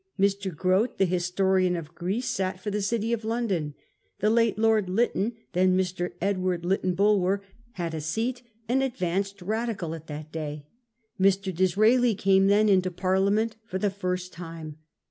Mr. Grote, the historian of Greece, sat for the city of London. The late Lord Lytton, then Mr. Edward Lytton Bulwer, had a seat, an advanced Radical at that day. Mr. Disraeli came then into Parliament for the first time.